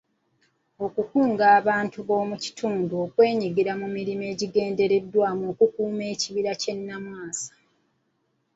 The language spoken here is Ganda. Okukunga abantu b'omu kitundu okwenyigira mu mirimu egigendererwamu okukuuma ekibira ky'e Namwasa.